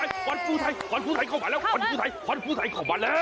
เย้ขวัญภูไทยขวัญภูไทยเข้ามาแล้วขวัญภูไทยเข้ามาแล้ว